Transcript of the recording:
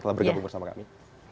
telah bergabung bersama kami